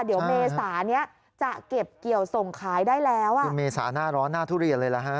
เดี๋ยวเมษานี้จะเก็บเกี่ยวส่งขายได้แล้วอ่ะคือเมษาหน้าร้อนหน้าทุเรียนเลยล่ะฮะ